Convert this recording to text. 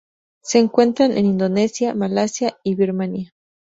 Se encuentran en Indonesia, Malasia y Birmania.